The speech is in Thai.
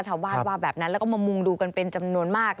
ชาวบ้านว่าแบบนั้นแล้วก็มามุงดูกันเป็นจำนวนมาก